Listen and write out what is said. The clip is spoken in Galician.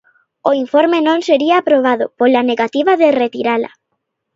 O informe non sería aprobado, pola negativa de retirala.